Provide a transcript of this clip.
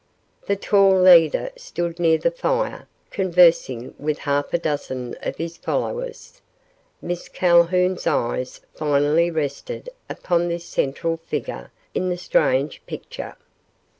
The tall leader stood near the fire, conversing with half a dozen of his followers. Miss Calhoun's eyes finally rested upon this central figure in the strange picture.